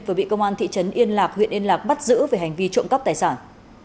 vừa bị công an thị trấn yên lạc huyện yên lạc bắt giữ về hành vi trộm cắp tài sản